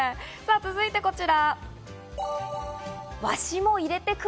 続いてこちら。